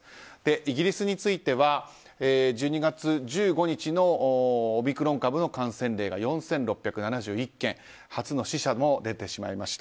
イギリスについては１２月１５日のオミクロン株の感染例が４６７１件初の死者も出てしまいました。